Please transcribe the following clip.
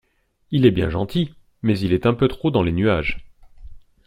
Il est bien gentil, mais il est un peu trop dans les nuages.